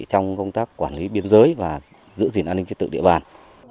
trong công tác quản lý biên giới và giữ gìn an ninh trật tự địa bàn